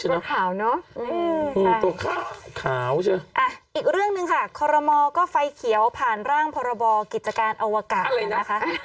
นี่คุณผู้ในรองรบอกิจการอวกาศนี่นะครับ